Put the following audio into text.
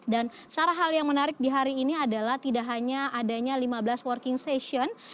dan salah hal yang menarik di hari ini adalah tidak hanya adanya lima belas working session